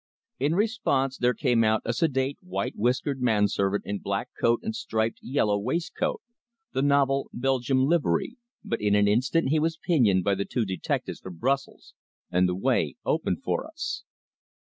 In response there came out a sedate, white whiskered man servant in black coat and striped yellow waistcoat, the novel Belgium livery, but in an instant he was pinioned by the two detectives from Brussels, and the way opened for us.